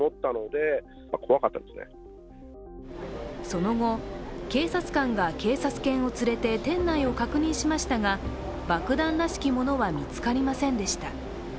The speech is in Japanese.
その後、警察官が警察犬を連れて店内を確認しましたが爆弾らしきものは見つかりませんでした。